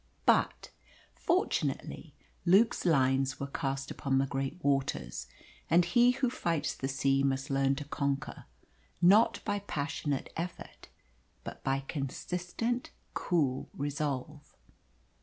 But, fortunately, Luke's lines were cast upon the great waters, and he who fights the sea must learn to conquer, not by passionate effort, but by consistent, cool resolve.